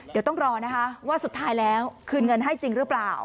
แต่ต้องรอว่าสุดท้ายแล้วคืนเงินให้จริงหรือเปล่า